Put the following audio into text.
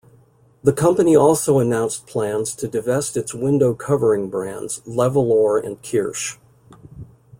The company also announced plans to divest its window covering brands Levolor and Kirsch.